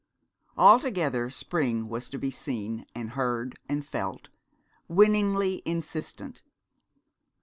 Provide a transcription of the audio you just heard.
Altogether spring was to be seen and heard and felt, winningly insistent.